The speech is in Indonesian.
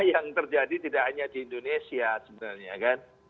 yang terjadi tidak hanya di indonesia sebenarnya kan